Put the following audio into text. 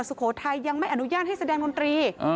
สุโขทัยยังไม่อนุญาตให้แสดงดนตรี